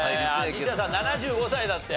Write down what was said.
西田さん７５歳だって。